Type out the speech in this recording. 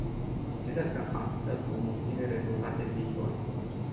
Consider că, astfel, vom obține rezultate în viitor.